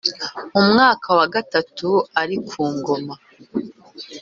Mu mwaka wa gatatu ari ku ngoma